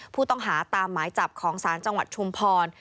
ผู้ต้องหาตามหมายจับของศาลจังหวัดชุมพร